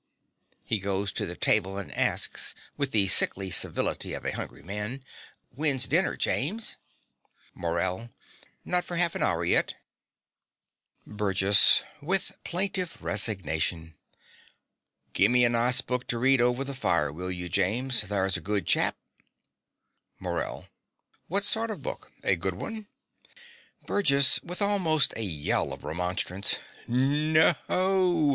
(He goes to the table and asks, with the sickly civility of a hungry man) When's dinner, James? MORELL. Not for half an hour yet. BURGESS (with plaintive resignation). Gimme a nice book to read over the fire, will you, James: thur's a good chap. MORELL. What sort of book? A good one? BURGESS (with almost a yell of remonstrance). Nah oo!